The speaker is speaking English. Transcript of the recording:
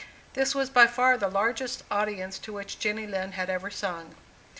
This was by far the largest audience to which Jenny Lind had ever sung.